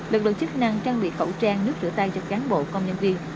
lực lượng chức năng trang bị khẩu trang nước rửa tay cho cán bộ công nhân viên